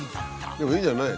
でもいいじゃんね。